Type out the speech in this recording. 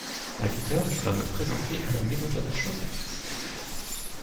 À huit heures, je dois me présenter à la maison de la chaussette